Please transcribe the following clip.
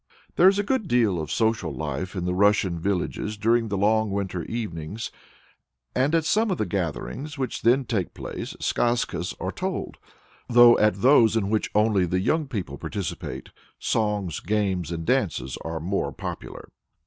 There is a good deal of social life in the Russian villages during the long winter evenings, and at some of the gatherings which then take place skazkas are told, though at those in which only the young people participate, songs, games, and dances are more popular.